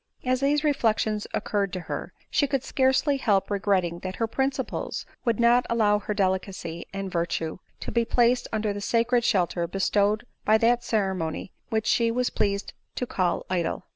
As these reflections occurred to her, she could scarcely help regretting that her principles would not allow her delicacy and virtue to be placed under the sacred shelter bestowed by that ceremony which she was pleased to call idle.